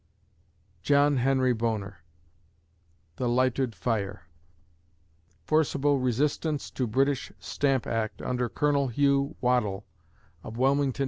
JOHN HENRY BONER (The Light'ood Fire) _Forcible resistance to British Stamp Act under Colonel Hugh Waddell, of Wilmington, N.